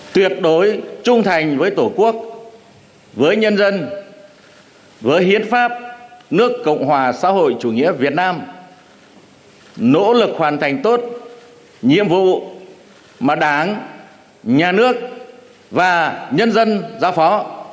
tuyệt đối trung thành với tổ quốc với nhân dân với hiến pháp nước cộng hòa xã hội chủ nghĩa việt nam nỗ lực hoàn thành tốt nhiệm vụ mà đảng nhà nước và nhân dân giao phó